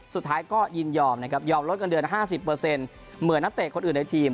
สุดท้ายก็ยินยอมนะครับยอมลดเงินเดือน๕๐เหมือนนักเตะคนอื่นในทีม